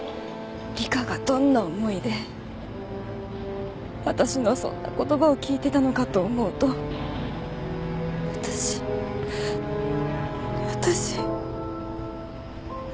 理香がどんな思いで私のそんな言葉を聞いてたのかと思うと私私。